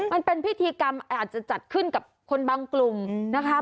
มันเป็นพิธีกรรมอาจจะจัดขึ้นกับคนบางกลุ่มนะคะ